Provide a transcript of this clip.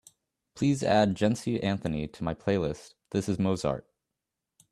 Please add Jency Anthony to my playlist This Is Mozart